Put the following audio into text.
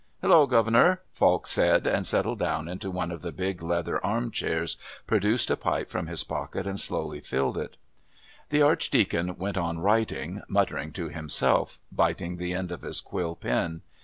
"Hullo, governor!" Falk said, and settled down into one of the big leather arm chairs, produced a pipe from his pocket and slowly filled it. The Archdeacon went on writing, muttering to himself, biting the end of his quill pen.